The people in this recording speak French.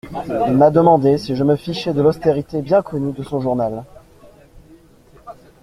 Il m'a demandé si je me fichais de l'austérité bien connue de son journal.